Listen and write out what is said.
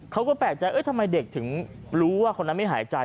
เขาก็แปลกใจทำไมเด็กถึงรู้ว่าคนนั้นไม่หายใจ